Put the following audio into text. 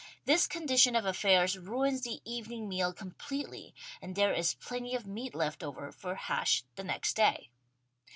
This condition of afEairs ruins the evening meal completely and there is plenty of meat left over for hash the next day.